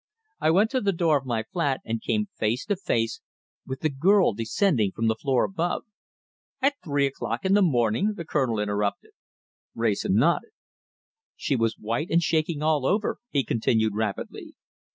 I went to the door of my flat and came face to face with the girl descending from the floor above." "At three o'clock in the morning?" the Colonel interrupted. Wrayson nodded. "She was white and shaking all over," he continued rapidly.